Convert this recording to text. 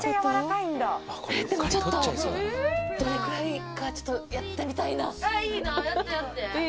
でもちょっとどれくらいかちょっとやってみたいなえっいいなやってやっていい？